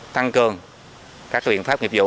tăng cường các quyền pháp nghiệp vụ